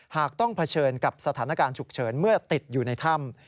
หากต้องเผชิญกับสถานการณ์ฉุกเฉินเมื่อติดอยู่ในถ้ำ